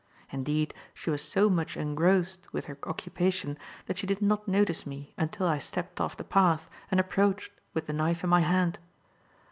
Indeed, she was so much engrossed with her occupation that she did not notice me until I stepped off the path and approached with the knife in my hand.